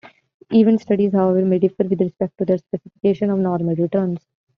Event studies, however, may differ with respect to their specification of normal returns.